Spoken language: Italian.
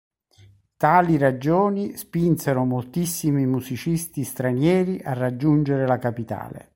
Tali ragioni spinsero moltissimi musicisti stranieri a raggiungere la capitale.